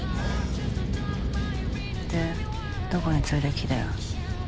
でどこに連れてく気だよ。